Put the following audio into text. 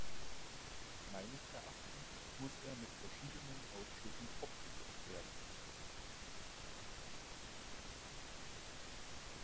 Meines Erachtens muss er mit verschiedenen Ausschüssen fortgesetzt werden.